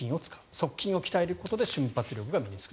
速筋を鍛えることで瞬発力が身に着く。